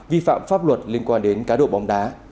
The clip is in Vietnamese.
vi phạm pháp luật liên quan đến cá độ bóng đá